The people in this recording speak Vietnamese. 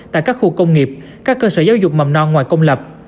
tại các khu công nghiệp các cơ sở giáo dục mầm non ngoài công lập